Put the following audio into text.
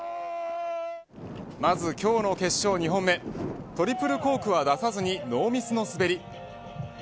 まず今日の決勝２本目トリプルコークは出さずにノーミスの滑り。